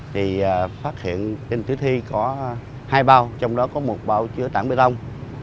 thì phát hiện trên tử thi có hai bao trong đó có một bao chứa tảng bê tông